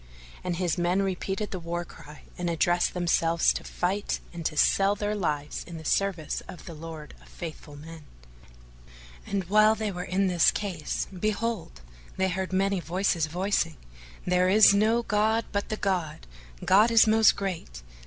and his men repeated the war cry and addressed themselves to fight and to sell their lives in the service of the Lord of Faithful Men; and while they were in this case, behold, they heard many voices voicing, "There is no god but the God! God is most great!